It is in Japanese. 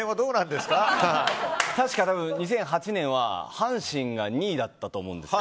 確か、２００８年は阪神が２位だったと思うんです。